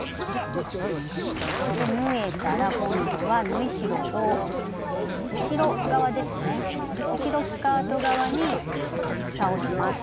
縫えたら今度は縫い代を後ろ側ですね後ろスカート側に倒します。